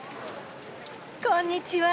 こんにちは。